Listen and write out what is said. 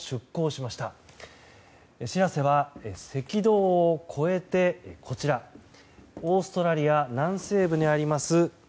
「しらせ」は赤道を越えてオーストラリア南西部にあります